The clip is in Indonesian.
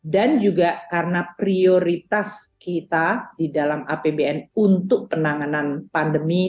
dan juga karena prioritas kita di dalam apbn untuk penanganan pandemi